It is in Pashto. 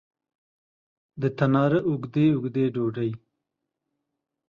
د تناره اوږدې، اوږدې ډوډۍ